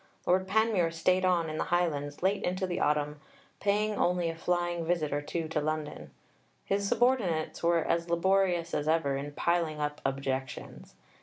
Lord Panmure stayed on in the Highlands late into the autumn, paying only a flying visit or two to London. His subordinates were as laborious as ever in piling up objections.